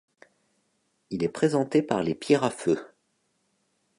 Il est présenté par Les Pierrafeu.